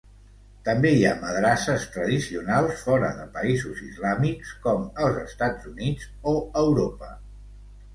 També hi ha madrasses tradicionals fora de països islàmics, com als Estats Units o Europa.